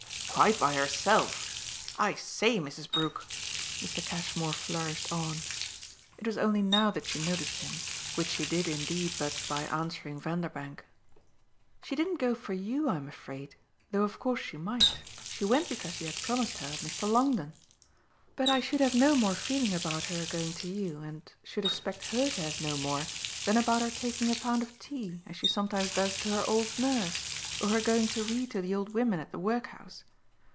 "Quite by herself? I say, Mrs. Brook!" Mr. Cashmore flourished on. It was only now that she noticed him; which she did indeed but by answering Vanderbank. "She didn't go for YOU I'm afraid though of course she might: she went because you had promised her Mr. Longdon. But I should have no more feeling about her going to you and should expect her to have no more than about her taking a pound of tea, as she sometimes does, to her old nurse, or her going to read to the old women at the workhouse.